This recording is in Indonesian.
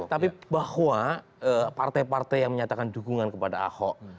tapi bahwa partai partai yang menyatakan dukungan kepada ahok